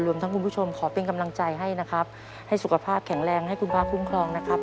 ทั้งคุณผู้ชมขอเป็นกำลังใจให้นะครับให้สุขภาพแข็งแรงให้คุณพระคุ้มครองนะครับ